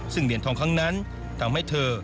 ซึ่งเหรียญทองครั้งนั้นทำให้เธอ